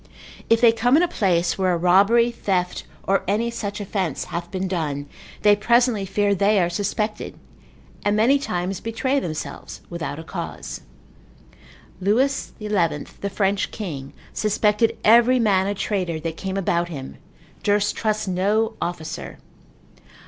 If they come in a place where a robbery, theft, or any such offence hath been done, they presently fear they are suspected, and many times betray themselves without a cause. Lewis XI., the French king, suspected every man a traitor that came about him, durst trust no officer.